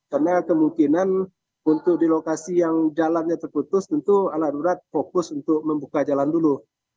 karena kemungkinan untuk di lokasi yang jalannya terputus tentu alat berat fokus untuk membuka jalan dulu